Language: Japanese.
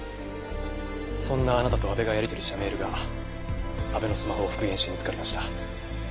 そんなあなたと阿部がやり取りしたメールが阿部のスマホを復元して見つかりました。